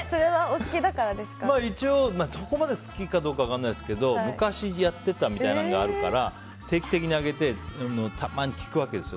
一応そこまで好きかどうか分からないですけど昔やってたみたいなのがあるから定期的にあげてたまに聞くわけですよ。